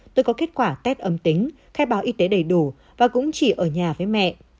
tôi có kết quả test âm tính khai báo y tế đầy đủ và cũng chỉ ở nhà với mẹ